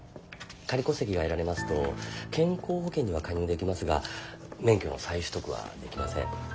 仮戸籍が得られますと健康保険には加入できますが免許の再取得はできません。